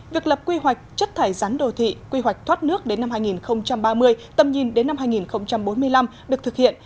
việc lập quy hoạch chất thải rắn đô thị quy hoạch thoát nước đến năm hai nghìn ba mươi tầm nhìn đến năm hai nghìn bốn mươi năm được thực hiện